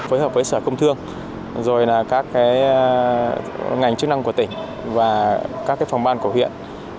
phối hợp với sở công thương rồi là các ngành chức năng của tỉnh và các phòng ban cổ huyện